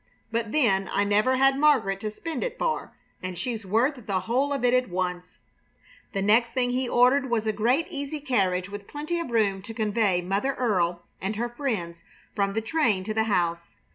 But then I never had Margaret to spend it for, and she's worth the whole of it at once!" The next thing he ordered was a great easy carriage with plenty of room to convey Mother Earle and her friends from the train to the house.